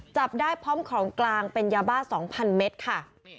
จับได้พร้อมของกลางเป็นยาบ้า๒๐๐เมตรค่ะ